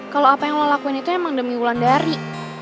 kalau apa yang lo lakuin itu emang demi wulandari